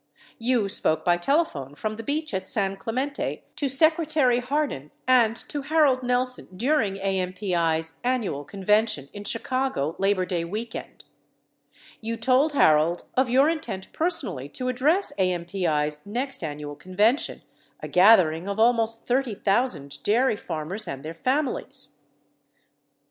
You spoke by tele phone from the beach at San Clemente to Secretary Hardin and to Harold Nelson during AMPI's annual convention in Chicago Labor Day weekend. You told Harold of your intent personally to address AMPI's next annual convention (a gathering of almost 30,000 dairy farmers and their families)